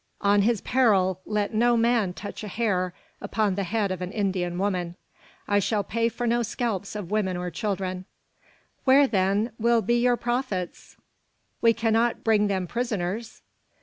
On his peril let no man touch a hair upon the head of an Indian woman. I shall pay for no scalps of women or children." "Where, then, will be your profits? We cannot bring them prisoners?